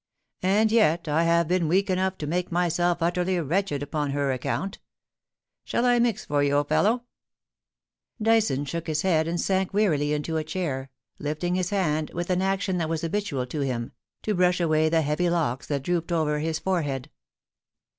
and yet I have been weak enough to make myself utterly wretched upon her account Shall I mix for you, o fellow 7 Dyson shook his head and sank wearily into a chair, lifting his hand, with an action that was habitual to him, to brush away the heavy locks that drooped over his forehead.